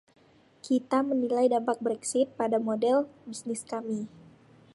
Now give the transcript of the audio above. Kita menilai dampak Brexit pada model bisnis kami.